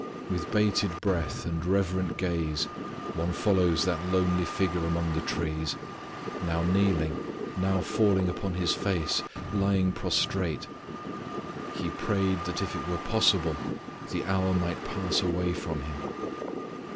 With bated breath and reverent gaze one follows that lonely figure among the trees; now kneeling, now falling upon His face, lying prostrate, "He prayed that if it were possible the hour might pass away from Him."